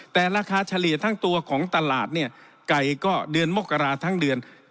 แต่ราคาเฉลี่ยทั้งตัวของตลาดเนี่ยไก่ก็เดือนมกราทั้งเดือน